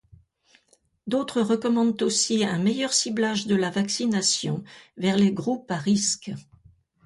D'autres recommandent aussi un meilleur ciblage de la vaccination vers les groupes à risque.